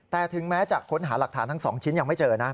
แต่ถึงแม้จะค้นหาหลักฐานทั้ง๒ชิ้นยังไม่เจอนะ